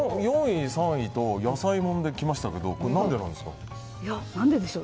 ４位、３位と野菜もんできましたけど何でなんですか？